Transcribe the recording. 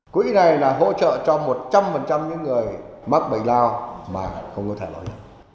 quỹ này là hỗ trợ cho một trăm linh những người mắc bệnh lao mà không có thẻ loại